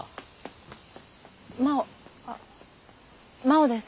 真央あ真央です。